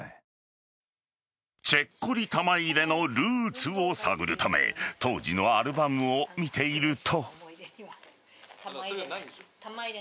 チェッコリ玉入れのルーツを探るため当時のアルバムを見ていると。